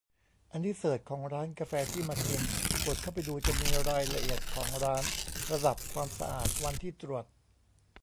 อันนี้เสิร์ชของร้านกาแฟที่มากิน กดเข้าไปดูจะมีรายละเอียดของร้าน ระดับความสะอาด วันที่ตรวจ